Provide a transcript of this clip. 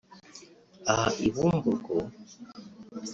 Aha i Bumbogo